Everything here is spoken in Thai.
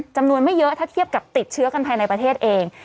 จำนวนไม่เยอะถ้าเทียบกับติดเชื้อกันภายในประเทศเอง